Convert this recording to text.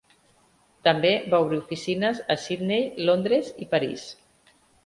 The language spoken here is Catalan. També va obrir oficines a Sydney, Londres i París.